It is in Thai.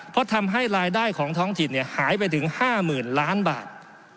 เพราะทำให้รายได้ของท้องถิ่นหายไปถึง๕๐๐๐ล้านบาท